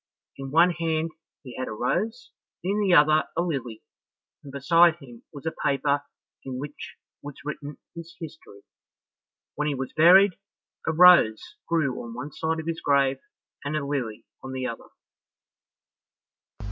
In one hand he had a rose, in the other a lily, and beside him was a paper in which was written his history. When he was buried, a rose grew on one side of his grave, and a lily on the other.